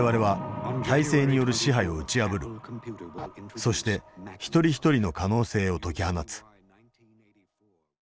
そして一人一人の可能性を解き放つ。